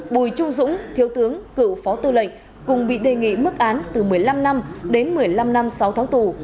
bùi trung dũng thiếu tướng cựu phó tư lệnh cùng bị đề nghị mức án từ một mươi năm năm đến một mươi năm năm sáu tháng tù